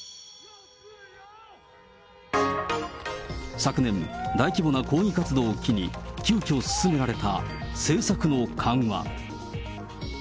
昨年、大規模な抗議活動を機に、急きょ進められた政策の緩和。